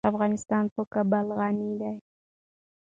افغانستان په کابل غني دی.